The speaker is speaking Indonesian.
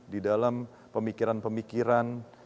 di dalam pemikiran pemikiran